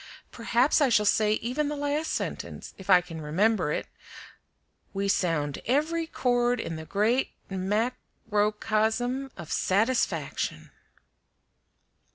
Perhaps I shall say even the last sentence, if I can remember it: 'We sound every chord in the great mac ro cosm of satisfaction."